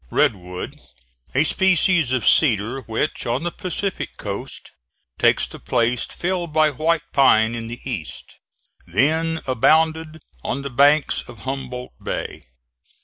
Red wood, a species of cedar, which on the Pacific coast takes the place filled by white pine in the East, then abounded on the banks of Humboldt Bay.